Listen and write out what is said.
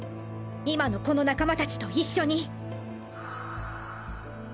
今のこの仲間たちと一緒に！